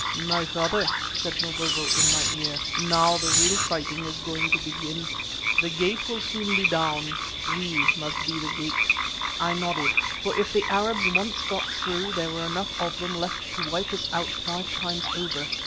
"My father," said Mavovo in my ear, "now the real fighting is going to begin. The gate will soon be down. We must be the gate." I nodded, for if the Arabs once got through, there were enough of them left to wipe us out five times over.